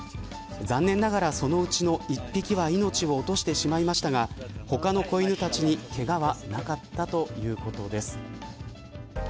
残念ながらそのうちの１匹は命を落としてしまいましたが他の子犬たちにけがはなかったということです。